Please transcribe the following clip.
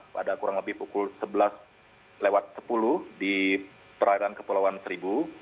pada kurang lebih pukul sebelas sepuluh di perairan kepulauan seribu